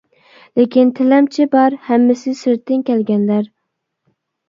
لېكىن تىلەمچى بار، ھەممىسى سىرتتىن كەلگەنلەر.